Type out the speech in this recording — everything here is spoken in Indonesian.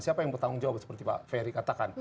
siapa yang bertanggung jawab seperti pak ferry katakan